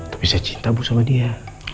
tapi saya cinta bu sama dia